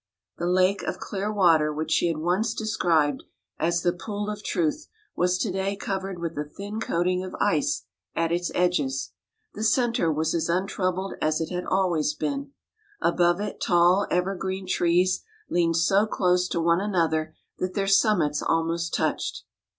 The lake of clear water which she had once described as the "pool of truth" was today covered with a thin coating of ice at its edges. The center was as untroubled as it had always been. Above it tall evergreen trees leaned so close to one another that their summits almost touched.